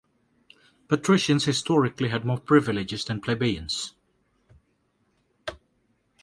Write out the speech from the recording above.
Patricians historically had more privileges than plebeians.